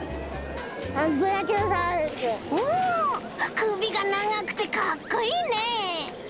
くびがながくてかっこいいね！